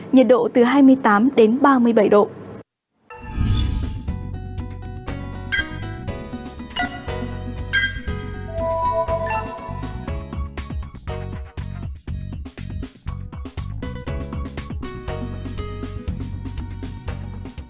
nhiệt độ tại hai quần đảo hoàng sa có mây ngày nắng và nóng gai gắt chiều tối và đêm có mây